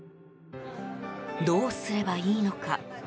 どうすればいいのか。